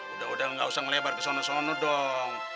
udah udah nggak usah ngelebar ke sono sono dong